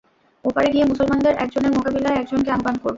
ওপারে গিয়ে মুসলমানদের একজনের মোকাবিলায় একজনকে আহ্বান করব।